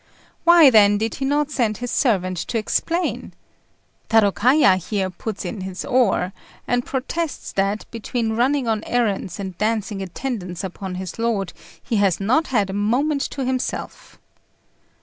Why, then, did he not send his servant to explain? Tarôkaja here puts in his oar, and protests that, between running on errands and dancing attendance upon his lord, he has not had a moment to himself.